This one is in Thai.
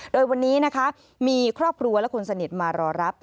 โดยวันนี้นะคะมีครอบครัวและคนสนิทมารอรับ